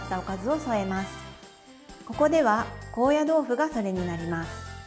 ここでは高野豆腐がそれになります。